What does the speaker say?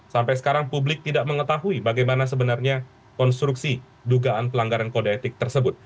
sampai sekarang publik tidak mengetahui bagaimana sebenarnya konstruksi dugaan pelanggaran kode etik tersebut